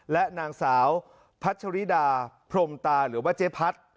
และนางสาวพัชริดาพรมตาหรือว่าเจ๊พัด